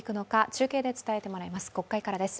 中継で伝えてもらいます。